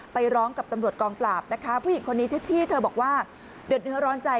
ไปร้องกับตำรวจกองปราบนะคะผู้หญิงคนนี้ที่เธอบอกว่าเดือดเนื้อร้อนใจ